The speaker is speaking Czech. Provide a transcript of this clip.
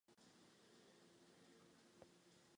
Generálové legionářI.